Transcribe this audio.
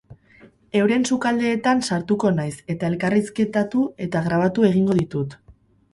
Euren sukaldeetan sartuko naiz eta elkarrizketatu eta grabatu egingo ditut.